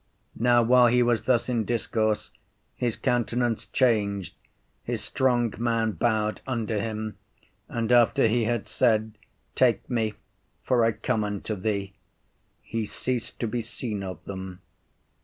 Now while he was thus in discourse, his countenance changed, his strong man bowed under him, and after he had said, Take me, for I come unto thee, he ceased to be seen of them.